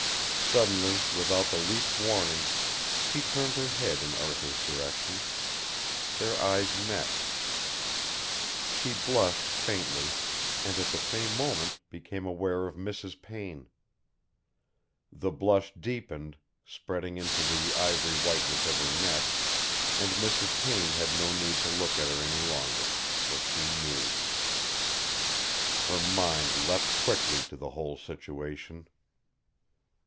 Suddenly, without the least warning, she turned her head in Arthur's direction. Their eyes met. She blushed faintly, and, at the same moment, became aware of Mrs. Payne. The blush deepened, spreading into the ivory whiteness of her neck; and Mrs. Payne had no need to look at her any longer, for she knew. Her mind leapt quickly to the whole situation.